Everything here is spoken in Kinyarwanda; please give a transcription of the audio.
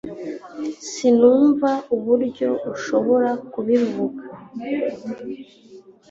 sinumva uburyo ushobora kubivuga